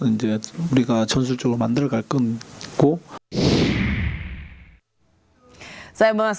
dan kita akan membuat semua hal tersebut secara tentu